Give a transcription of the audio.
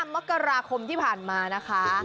มกราคมที่ผ่านมานะคะ